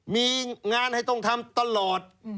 มีงานให้ต้องทำตลอด